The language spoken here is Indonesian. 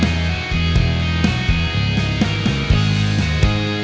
careju harus bayi bingung dan raymond